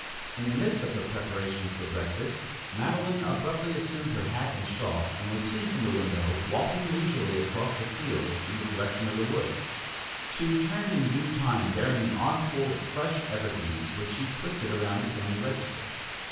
In the midst of her preparations for breakfast, Madeline abruptly assumed her hat and shawl, and was seen from the window, walking leisurely across the fields in the direction of the woods. She returned in due time, bearing an armful of fresh evergreens, which she twisted around the family register.